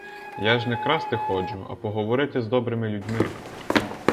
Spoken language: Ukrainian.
Я ж не красти ходжу, а поговорити з добрими людьми.